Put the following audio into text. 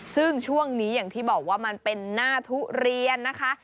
ซึ่งช่วงนี้อย่างที่บอกว่ามันเป็นหน้าทุเรียนนะคะ